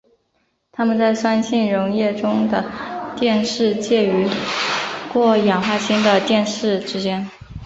它们在酸性溶液中的电势介于过氧化氢的电势之间。